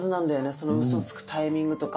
そのウソつくタイミングとか。